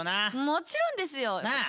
もちろんですよ！なあ！